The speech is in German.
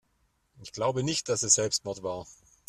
Ich glaube nicht, dass es Selbstmord war.